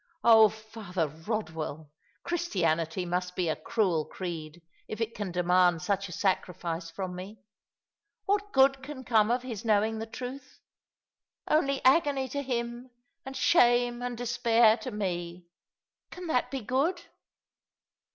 Oh, Father Eodwell, Christianity must be a cruel creed if it can demand such a sacrifice from me. What good can come of his knowing the truth ? Only Bgony to him and shame and despair to me. Can that be good?"